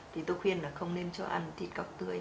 thì tôi khuyên là không nên cho ăn thịt cọc tươi